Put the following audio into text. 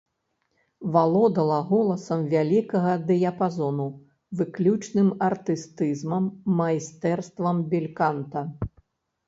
Валодала голасам вялікага дыяпазону, выключным артыстызмам, майстэрствам бельканта.